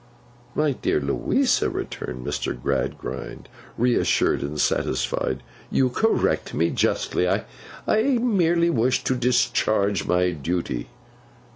'My dear Louisa,' returned Mr. Gradgrind, reassured and satisfied. 'You correct me justly. I merely wished to discharge my duty.